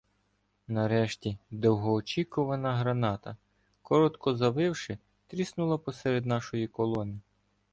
Нарешті "довгоочікувана" граната, коротко завивши, тріснула посеред нашої колони.